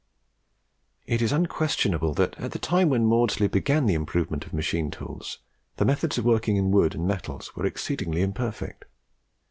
It is unquestionable that at the time when Maudslay began the improvement of machine tools, the methods of working in wood and metals were exceedingly imperfect.